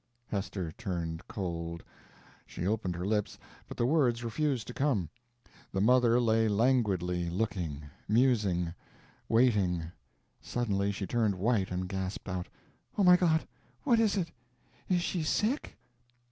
Hester turned cold; she opened her lips, but the words refused to come. The mother lay languidly looking, musing, waiting; suddenly she turned white and gasped out: "Oh, my God! what is it? is she sick?"